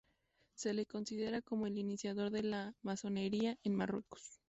Se le considera como el iniciador de la masonería en Marruecos.